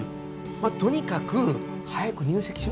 まあとにかく早く入籍しましょう。